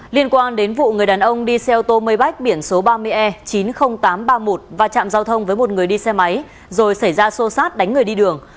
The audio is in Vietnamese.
liên quan đến vụ người đàn ông đi xe ô tô mây biển số ba mươi e chín mươi nghìn tám trăm ba mươi một và chạm giao thông với một người đi xe máy rồi xảy ra xô xát đánh người đi đường